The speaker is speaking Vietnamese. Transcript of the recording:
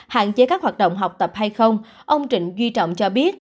hạn chế các hoạt động học tập hay không ông trịnh duy trọng cho biết